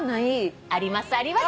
ありますあります。